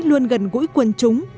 luôn gần gũi quần chúng